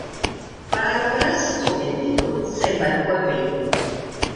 Para lograr su cometido se embarcó en Beirut.